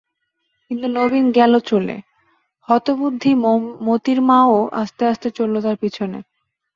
কিন্তু নবীন গেল চলে, হতবুদ্ধি মোতির মাও আস্তে আস্তে চলল তার পিছনে।